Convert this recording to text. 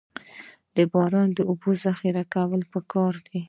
د باران اوبو ذخیره کول پکار دي